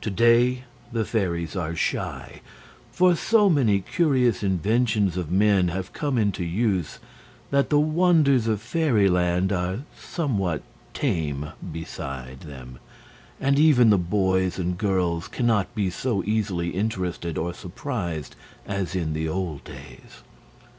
To day the fairies are shy; for so many curious inventions of men have come into use that the wonders of Fairyland are somewhat tame beside them, and even the boys and girls can not be so easily interested or surprised as in the old days.